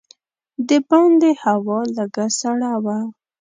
د باندې هوا لږه سړه وه.